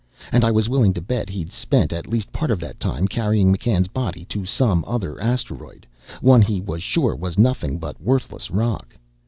And I was willing to bet he'd spent at least part of that time carrying McCann's body to some other asteroid, one he was sure was nothing but worthless rock.